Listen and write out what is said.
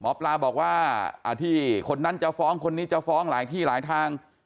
หมอปลาบอกว่าที่คนนั้นจะฟ้องคนนี้จะฟ้องหลายที่หลายทาง